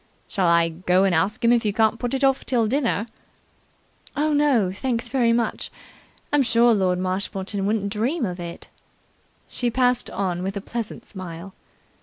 "Shall I go and ask him if you can't put it off till after dinner?" "Oh, no, thanks very much. I'm sure Lord Marshmoreton wouldn't dream of it." She passed on with a pleasant smile.